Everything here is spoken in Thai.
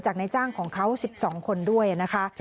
ในจ้างของเขา๑๒คนด้วยนะคะ